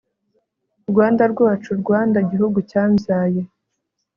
rwanda rwacu rwanda gihugu cyambyaye